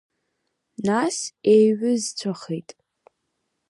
Нас еиҩызцәахеит.